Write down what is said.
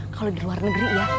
kalau di luar negeri ya